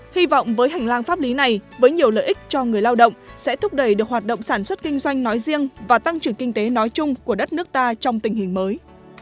hy vọng với hành lang pháp lý này với nhiều lợi ích cho người lao động sẽ thúc đẩy được hoạt động sản xuất kinh doanh nói riêng và tăng trưởng kinh tế nói chung của đất nước ta trong tình hình mới